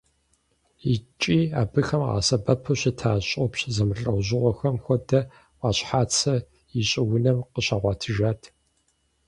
ИкӀи абыхэм къагъэсэбэпу щыта щӀопщ зэмылӀэужьыгъуэхэм хуэдэ Ӏуащхьацэ и щӀыунэм къыщагъуэтыжат.